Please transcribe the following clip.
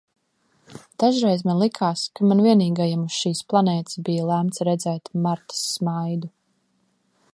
Dažreiz man likās, ka man vienīgajam uz šīs planētas bija lemts redzēt Martas smaidu.